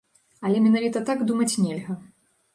Але менавіта так думаць нельга.